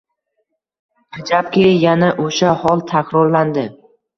Ajabki, yana o‘sha hol takrorlandi